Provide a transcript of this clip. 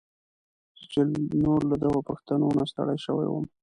زه چې نور له دغو پوښتنو نه ستړی شوی وم.